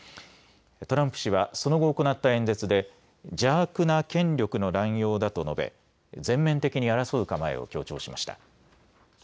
トランプ氏はその後行った演説で邪悪な権力の乱用だと述べ全面的に争う構えを強調しました。